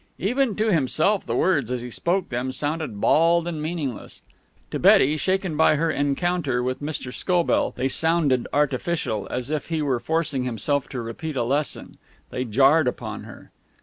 Even to himself the words, as he spoke them, sounded bald and meaningless. To Betty, shaken by her encounter with Mr. Scobell, they sounded artificial, as if he were forcing himself to repeat a lesson. They jarred upon her.